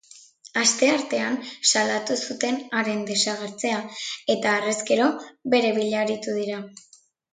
Asteartean salatu zuten haren desagertzea eta harrezkero bere bila aritu dira.